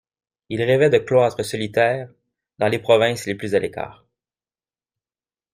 Il rêvait de cloîtres solitaires, dans les provinces les plus à l'écart.